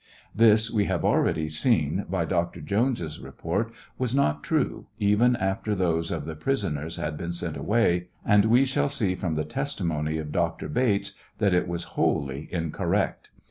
This, we have already seen by Dr. Jones's report, was not true, even after those of the pris oners had been sent away, and we shall see from the testimony of Dr. Bates that it is wholly incorrect.